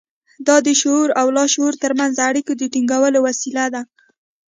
دا د شعور او لاشعور ترمنځ د اړيکو د ټينګولو وسيله ده.